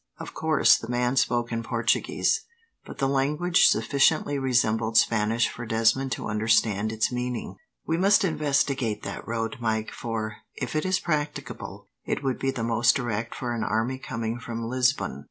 Of course, the man spoke in Portuguese, but the language sufficiently resembled Spanish for Desmond to understand its meaning. "We must investigate that road, Mike, for, if it is practicable, it would be the most direct for an army coming from Lisbon.